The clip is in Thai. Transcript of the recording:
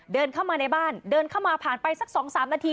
เดินเข้ามาในบ้านเดินเข้ามาผ่านไปสัก๒๓นาที